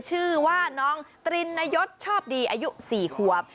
ชื่อว่าน้องตรินนายศชอบดีอายุ๔ขวบ